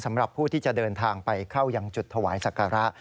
สำหรับผู้ที่จะเดินทางไปเข้ายังจุดถวายศักระ